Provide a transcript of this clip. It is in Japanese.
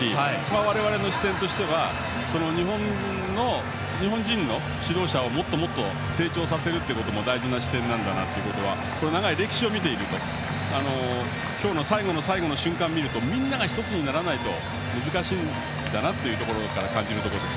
我々の視点としては日本人の指導者をもっともっと成長させることも大事な視点なんだなというのが長い歴史を見ていると今日の最後の最後の瞬間を見るとみんなが１つにならないと難しいんだなと感じるところです。